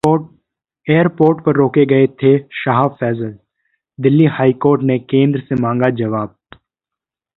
airport पर रोके गए थे शाह फैसल, दिल्ली हाईकोर्ट ने केंद्र से मांगा जवाब